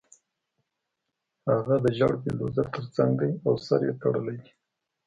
هغه د زېړ بلډیزور ترڅنګ دی او سر یې تړلی دی